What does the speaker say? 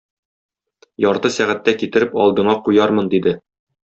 Ярты сәгатьтә китереп алдыңа куярмын, - диде.